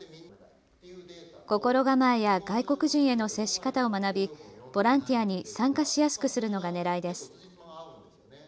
心構えや外国人への接し方を学びボランティアに参加しやすくするのが狙いです。